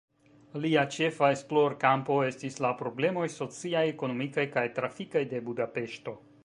Lia ĉefa esplorkampo estis la problemoj sociaj, ekonomikaj kaj trafikaj de Budapeŝto.